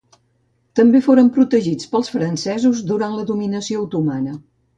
També foren protegits pels francesos durant la dominació otomana.